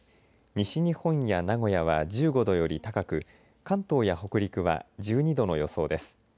西日本や名古屋は１５度より高く関東や北陸は１２度の予想です。